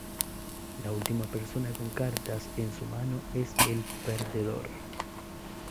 La última persona con cartas en su mano es el perdedor.